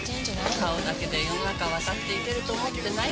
顔だけで世の中渡っていけると思ってない？